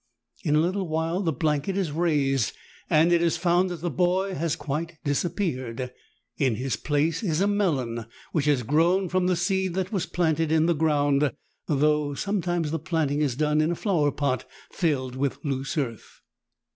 In a little while the blanket is raised, and it is found that the boy has quite disappeared ; in his place is a melon, which has grown from the seed that was planted in the ground, though some times the planting is done in a flower pot filled with loose earth.